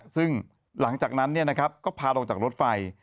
ซึ่งหลังจากนั้นก็พาลงจากรถไฟ